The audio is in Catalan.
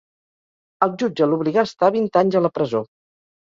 El jutge l'obligà a estar vint anys a la presó.